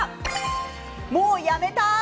もうやめたい！